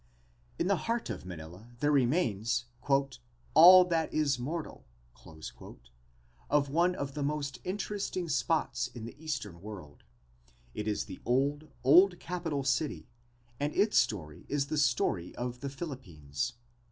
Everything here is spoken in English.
In the heart of Manila there remains "all that is mortal" of one of the most interesting spots in the eastern world. It is the old, old capital city and its story is the story of the Philippines.